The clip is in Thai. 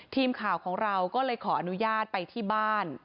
ทีมข่าวของเราก็เลยขออนุญาตไปที่บ้าน